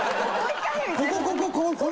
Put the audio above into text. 「ここここ！